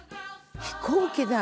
飛行機代